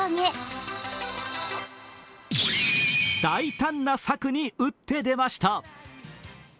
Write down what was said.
大胆な策に打って出ました。